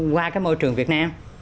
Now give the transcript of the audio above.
qua cái môi trường việt nam